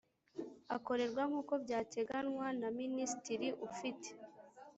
akorerwa nk uko byateganywa na Minisitiri ufite